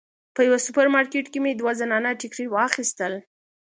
په یوه سوپر مارکیټ کې مې دوه زنانه ټیکري واخیستل.